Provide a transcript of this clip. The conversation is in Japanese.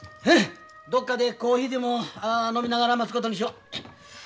どっかでコーヒーでも飲みながら待つことにしよう。